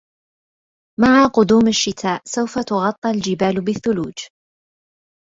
مع قدوم الشتاء ،سوف تُغطى الجبال بالثلوج